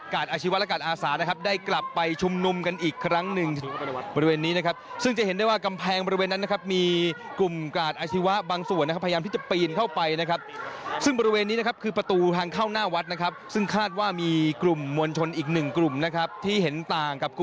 อาชีวะและการอาสานะครับได้กลับไปชุมนุมกันอีกครั้งหนึ่งบริเวณนี้นะครับซึ่งจะเห็นได้ว่ากำแพงบริเวณนั้นนะครับมีกลุ่มกาดอาชีวะบางส่วนนะครับพยายามที่จะปีนเข้าไปนะครับซึ่งบริเวณนี้นะครับคือประตูทางเข้าหน้าวัดนะครับซึ่งคาดว่ามีกลุ่มมวลชนอีกหนึ่งกลุ่มนะครับที่เห็นต่างกับก